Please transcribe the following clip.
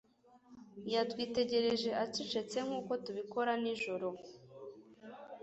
yatwitegereje acecetse nk'uko tubikora nijoro